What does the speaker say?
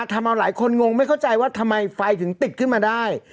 ทำเอาหลายคนงงไม่เข้าใจว่าทำไมไฟถึงติดขึ้นมาได้